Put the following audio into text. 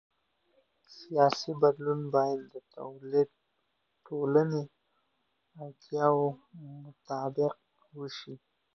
سیاسي بدلون باید د ټولنې اړتیاوو مطابق وشي